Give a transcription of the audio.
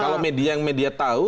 kalau media yang media tahu